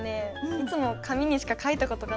いつも紙にしか書いた事がないので。